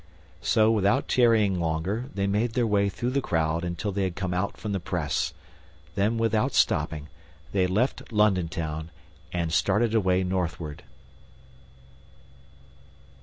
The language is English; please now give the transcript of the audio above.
So, without tarrying longer, they made their way through the crowd until they had come out from the press. Then, without stopping, they left London Town and started away northward.